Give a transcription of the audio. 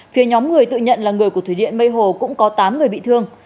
phía nhóm người tự nhận là người của thủy điện mây hồ cũng có tám người bị thương